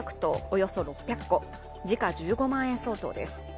およそ６００個、時価１５万円相当です。